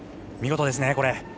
見事ですね、これ。